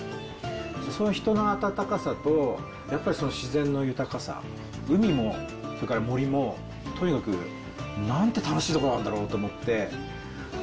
その人の温かさと、やっぱり自然の豊かさ、海も、それから森も、とにかくなんて楽しいとこなんだろうと思って。